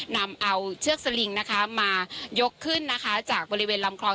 นำเอาเชือกสลิงนะคะมายกขึ้นนะคะจากบริเวณลำคลอง